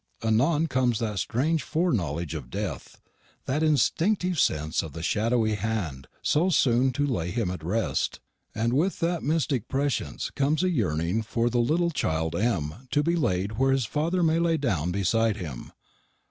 Anon comes that strange foreknowledge of death that instinctive sense of the shadowy hand so soon to lay him at rest; and with that mystic prescience comes a yearning for the little child M. to be laid where his father may lay down beside him.